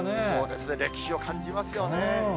歴史を感じますよね。